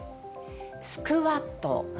スクワット。